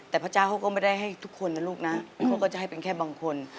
แต่พระเจ้าเขาก็ไม่ได้ให้ทุกคนนะลูกนะเขาก็จะให้เป็นแค่บางคน